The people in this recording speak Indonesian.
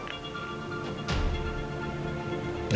kalo aku udah ketemu dennis